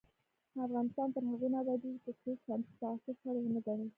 افغانستان تر هغو نه ابادیږي، ترڅو سمتي تعصب شرم ونه ګڼل شي.